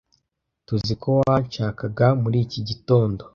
Tuziko wanshakaga muri iki gitondo.